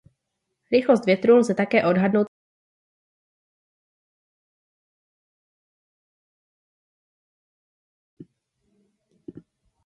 Rychlost větru lze také odhadnout podle jeho účinků na předměty poblíž zemského povrchu.